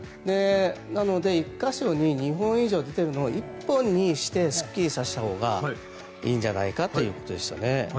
なので１か所に２本以上出ているのを１本にしてすっきりさせたほうがいいんじゃないかということでした。